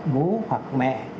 bố hoặc mẹ